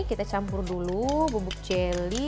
kita campur dulu bubuk jelly